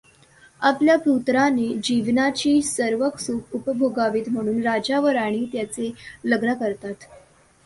आपल्या पुत्राने जीवनाची सर्व सुख उपभोगावीत म्हणुन राजा व राणी त्याचे लग्न करतात.